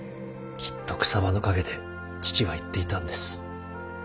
きっと草葉の陰で父は言っていたんです。